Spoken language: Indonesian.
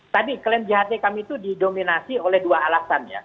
tadi klaim jht kami itu didominasi oleh dua alasan ya